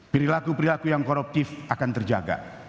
perilaku perilaku yang koruptif akan terjaga